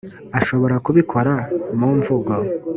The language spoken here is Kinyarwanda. ashobora kubikora mu mvugo